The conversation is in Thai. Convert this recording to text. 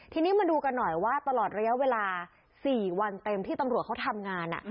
ทีนี้มาดูกันหน่อยว่าตลอดระยะเวลา๔วันเต็มที่ตำรวจเขาทำงาน